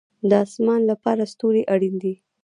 د اسمان لپاره ستوري اړین دي